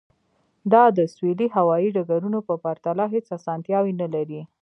دا د سویلي هوایی ډګرونو په پرتله هیڅ اسانتیاوې نلري